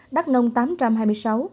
đắk nông một tám trăm hai mươi sáu ca